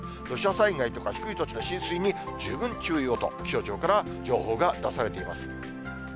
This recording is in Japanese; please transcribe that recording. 土砂災害とか低い土地の浸水に十分注意をと、気象庁から情報が出されています。